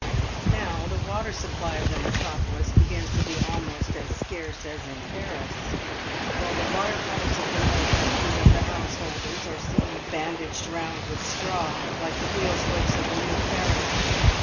Now the water supply of the metropolis begins to be almost as scarce as in Paris ; while the water pipes of the more prudent of the householders are seen bandaged round with straw, like the wheel spokes of a new carriage.